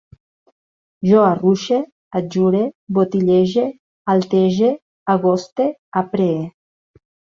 Jo arruixe, adjure, botillege, altege, agoste, apree